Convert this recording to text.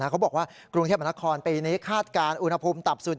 เขาบอกว่ากรุงเทพมนาคมปีนี้คาดการณ์อุณหภูมิต่ำสุด